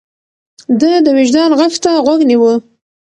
ده د وجدان غږ ته غوږ نيوه.